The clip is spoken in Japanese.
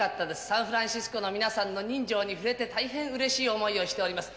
サンフランシスコの皆さんの人情に触れて、大変うれしい思いをしております。